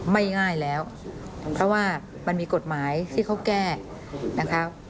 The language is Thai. ไม่ง่ายแล้วเพราะว่ามันมีกฎหมายที่เขาแก้นะคะ